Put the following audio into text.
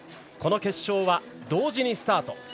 この決勝は同時にスタート。